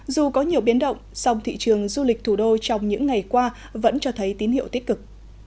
dù có nhiều biến động song thị trường du lịch thủ đô trong những ngày qua vẫn cho thấy tín hiệu tích cực